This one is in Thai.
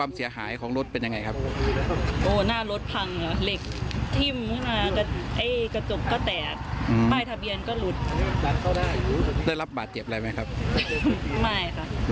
มันเป็นสายอะไรครับสายไฟหรือสาย